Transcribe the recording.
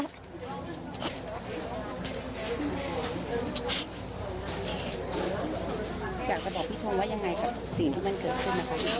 อยากจะบอกพี่ชมว่ายังไงกับสิ่งที่มันเกิดขึ้นนะคะ